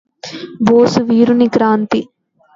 బోసు వీరుని క్రాంతి